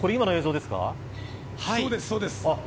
そうです、そうです。